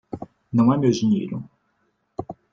Não é meu dinheiro!